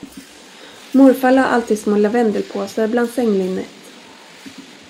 Morfar lade alltid små lavendelpåsar bland sänglinnet.